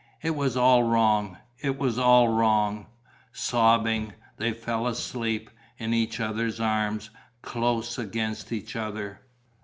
It was all wrong, it was all wrong.... Sobbing, they fell asleep, in each other's arms, close against each other.